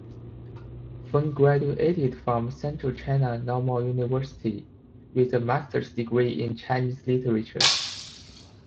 Feng graduated from Central China Normal University with a master's degree in Chinese Literature.